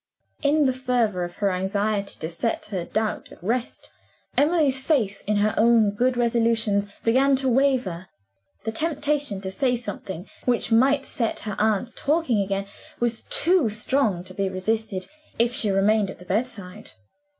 In the fervor of her anxiety to set her doubts at rest, Emily's faith in her own good resolutions began to waver. The temptation to say something which might set her aunt talking again was too strong to be resisted if she remained at the bedside.